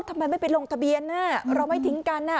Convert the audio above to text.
ทำไมไม่ไปลงทะเบียนเราไม่ทิ้งกัน